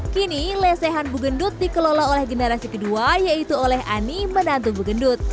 kini lesehan bugendut dikelola oleh generasi kedua yaitu oleh ani menantu bugendut